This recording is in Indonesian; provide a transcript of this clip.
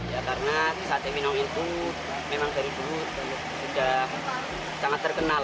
ya karena sate minum itu memang dari dulu sudah sangat terkenal